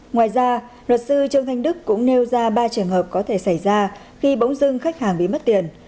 ngoài ra luật sư trương thanh đức cũng nêu ra ba trường hợp có thể xảy ra khi bỗng dưng khách hàng bị mất tiền